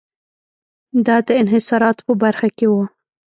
دا د انحصاراتو په برخه کې و.